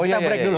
kita break dulu